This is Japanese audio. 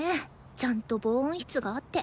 ちゃんと防音室があって。